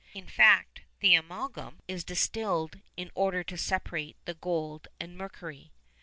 In fact the amalgam is distilled in order to separate the gold and mercury.